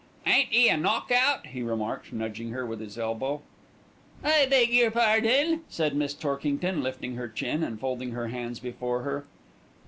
"Ain't 'e a knock out!" he remarked, nudging her with his elbow. "I beg your pardon!" said Miss Torkington, lifting her chin and folding her hands before her.